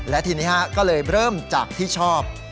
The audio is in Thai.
และทีนี้ก็เลยเริ่มจากที่ชอบ